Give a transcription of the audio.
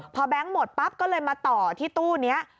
พอแบงค์หมดปั๊บก็เลยมาต่อที่ตู้นี้